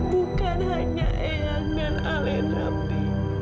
bukan hanya eyang dan alena pi